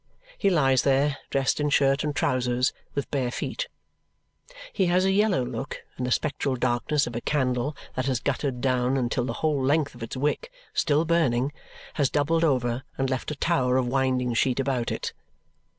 He lies there, dressed in shirt and trousers, with bare feet. He has a yellow look in the spectral darkness of a candle that has guttered down until the whole length of its wick (still burning) has doubled over and left a tower of winding sheet above it.